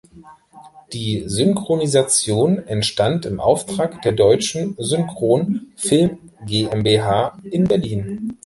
Die Synchronisation entstand im Auftrag der Deutschen Synchron Film GmbH in Berlin.